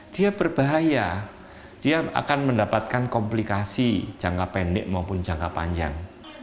dia berbahaya dia akan mendapatkan komplikasi jangka pendek maupun jangka panjang